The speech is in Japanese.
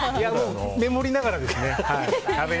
メモりながらですね。